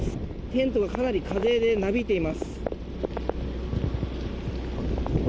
テントもかなり風でなびいています。